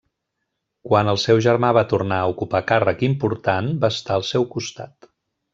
Quan el seu germà va tornar a ocupar càrrec important, va estar al seu costat.